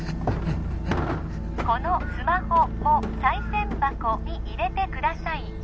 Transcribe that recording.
このスマホも賽銭箱に入れてください